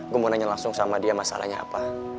gue mau nanya langsung sama dia masalahnya apa